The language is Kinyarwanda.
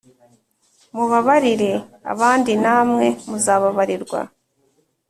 Mubabarire abandi namwe muzababarirwa